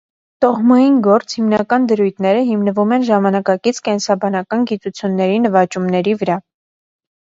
Տոհմային գործ հիմնական դրույթները հիմնվում են ժամանակակից կենսաբանական գիտությունների նվաճումների վրա։